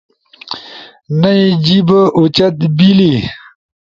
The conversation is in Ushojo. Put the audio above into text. نئی جیِب اُوچت بیلی